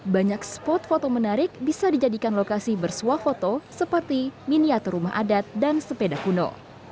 banyak spot foto menarik bisa dijadikan lokasi bersuah foto seperti miniatur rumah adat dan sepeda kuno